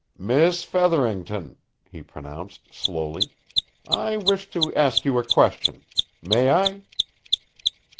"Miss Featherington," he pronounced slowly, "I wish to ask you a question. May I?"